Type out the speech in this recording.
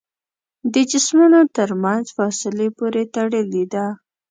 د جسمونو تر منځ فاصلې پورې تړلې ده.